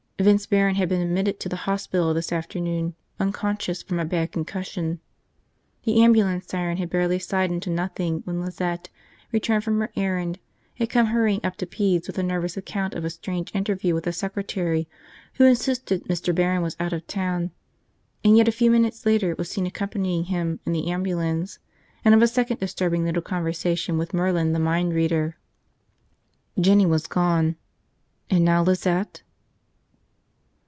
Vince Barron had been admitted to the hospital this afternoon, unconscious from a bad concussion. The ambulance siren had barely sighed into nothing when Lizette, returned from her errand, had come hurrying up to pedes with a nervous account of a strange interview with a secretary who insisted Mr. Barron was out of town and yet a few minutes later was seen accompanying him in the ambulance, and of a second disturbing little conversation with Merlin the mind reader. Jinny was gone. And now Lizette?